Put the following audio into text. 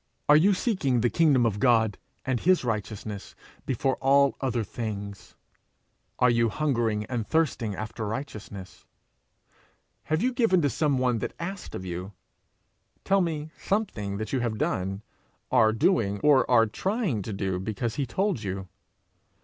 Are you seeking the kingdom of God and his righteousness before all other things? Are you hungering and thirsting after righteousness? Have you given to some one that asked of you? Tell me something that you have done, are doing, or are trying to do because he told you.